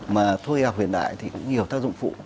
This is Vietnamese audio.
mà thôi y học hiện đại thì cũng nhiều tác dụng phụ